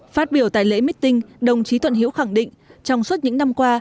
phát biểu tại lễ meeting đồng chí thuận hiễu khẳng định trong suốt những năm qua